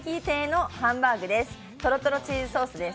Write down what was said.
とろとろチーズソースです。